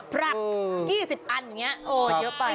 ผลัก๒๐อันอย่างนี้เยอะไป